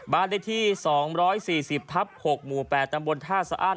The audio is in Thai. บ้านเลขที่๒๔๐ทับ๖หมู่๘ตำบลท่าสะอ้าน